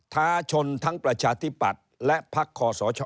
ทาชนทั้งประชาธิบัติและพักขอสอชอ